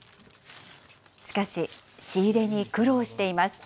しかし、仕入れに苦労しています。